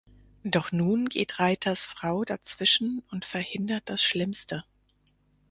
Doch nun geht Reiters Frau dazwischen und verhindert das Schlimmste.